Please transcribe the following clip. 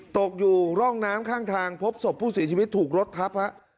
ตกอยู่ร่องน้ำข้างทางพบศพผู้เสียชีวิตถูกรถทับฮะ